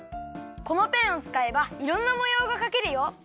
このペンをつかえばいろんなもようがかけるよ。